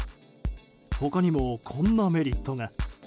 他にも、こんなメリットが。